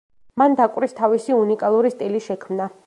მან დაკვრის თავისი უნიკალური სტილი შექმნა.